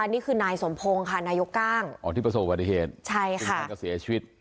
ดีกว่านี่คือนายสมพงธ์ค่ะนายก้างที่ประสบจุบัติเหตุคืนภาคเสียชีวิต